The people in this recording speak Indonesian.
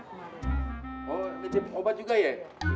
oh nitip obat juga ya